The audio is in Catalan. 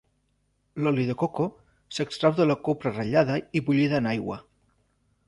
L'oli de coco s'extrau de la copra ratllada i bullida en aigua.